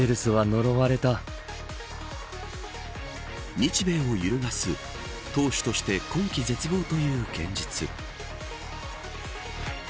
日米を揺るがす投手として今季絶望という現実。